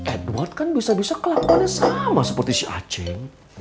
edward kan bisa bisa kelakuan yang sama seperti si aceh